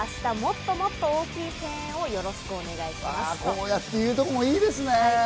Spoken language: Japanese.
こうやって言うところもいいですね。